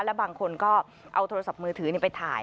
แล้วบางคนก็เอาโทรศัพท์มือถือไปถ่าย